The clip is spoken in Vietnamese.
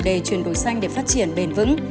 chủ đề chuyển đổi xanh để phát triển bền vững